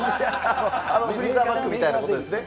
フリーザーバッグみたいなことですね。